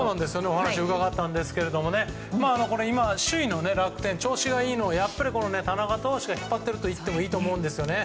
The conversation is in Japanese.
お話を伺ったんですけど首位の楽天の調子がいいのはやっぱり田中投手が引っ張っているといってもいいと思うんですよね。